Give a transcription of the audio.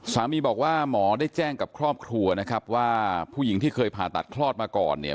สามีบอกว่าหมอได้แจ้งกับครอบครัวนะครับว่าผู้หญิงที่เคยผ่าตัดคลอดมาก่อนเนี่ย